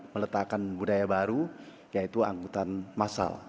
meletakkan budaya baru yaitu angkutan masal